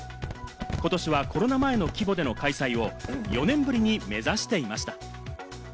ことしはコロナ前の規模での開催を４年ぶりに目指していました。